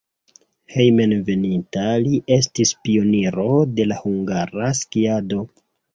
Hejmenveninta li estis pioniro de la hungara skiado.